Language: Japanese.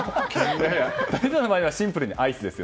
立石さんの場合はシンプルにアイスですよ。